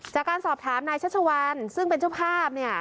จากการสอบถามนายชัชวัลซึ่งเป็นเจ้าภาพเนี่ย